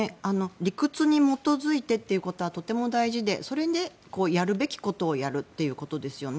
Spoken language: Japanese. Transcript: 理屈に基づいてということはとても大事でそれでやるべきことをやるということですよね。